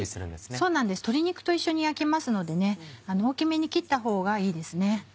そうなんです鶏肉と一緒に焼きますので大きめに切ったほうがいいです。